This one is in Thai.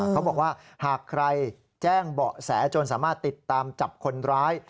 เขาบอกว่าหากใครแจ้งเบาะแสจนสามารถติดตามจับคนร้าย